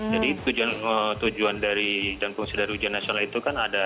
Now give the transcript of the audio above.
jadi tujuan dari dan fungsi dari ujian nasional itu kan ada